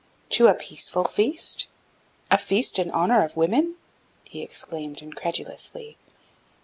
"'To a peaceful feast, a feast in the honor of women?' he exclaimed incredulously.